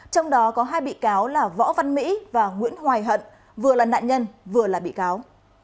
trong đó có hai bị cáo là võ văn mỹ và nguyễn hoài hận vừa là nạn nhân vừa là bị cáo